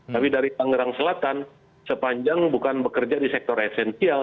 tapi dari tangerang selatan sepanjang bukan bekerja di sektor esensial